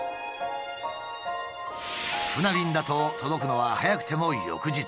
船便だと届くのは早くても翌日。